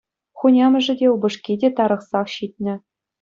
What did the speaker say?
Хунямӑшӗ, те упӑшки те тарӑхсах ҫитнӗ.